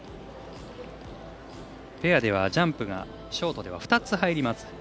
ペアではジャンプがショートでは２つ入ります。